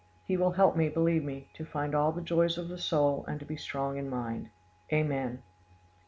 He will help me, believe me, to find all the joys of the soul and to be strong in mind. Amen.